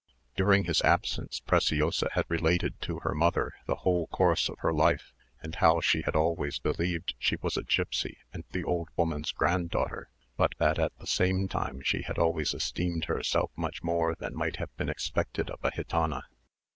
During his absence Preciosa had related to her mother the whole course of her life; and how she had always believed she was a gipsy and the old woman's grand daughter; but that at the same time she had always esteemed herself much more than might have been expected of a gitana.